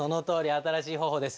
新しい方法です。